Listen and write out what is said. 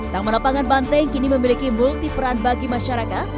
taman lapangan banteng kini memiliki multi peran bagi masyarakat